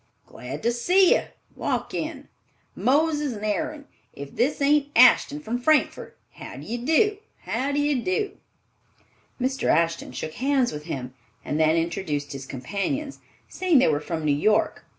Glad to see you—walk in. Moses and Aaron! If this ain't Ashton from Frankfort. How d'ye do? How d'ye do?" Mr. Ashton shook hands with him, and then introduced his companions, saying they were from New York.